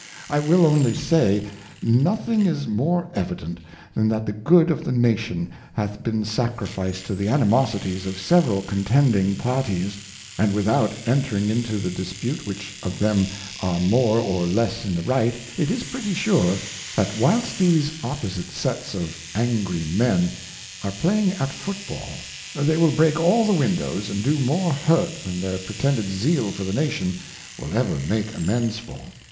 I wUl only say. Nothing is more i6o Cautions for Choice of more evident, than that t he Go od of the Nation hath been sacrificed to the Animosities of the several C ontending P arties ; and witTiout entring into the dispute which of them are more or less in the right, it is pretty sure, that whilst these Opposite Sets of Angry Men are playing at Foot ball, they will break all the Windows, and do more hurt than their pretended Zeal for the Nation will ever make amends for.